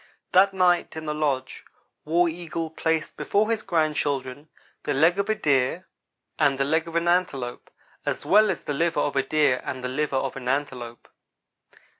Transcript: That night in the lodge War Eagle placed before his grandchildren the leg of a deer and the leg of an antelope, as well as the liver of a deer and the liver of an antelope.